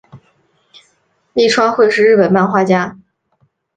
立川惠是日本漫画家。